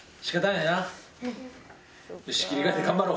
よし、切り替えて頑張ろう！